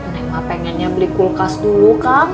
neng mah pengennya beli kulkas dulu